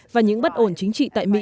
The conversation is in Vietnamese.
và những bất ổn chính trị tại mỹ